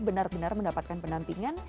benar benar mendapatkan penampingan